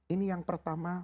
ini yang pertama